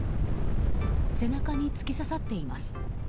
背中に突き刺さっています。